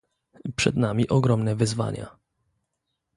Przed nami ogromne wyzwania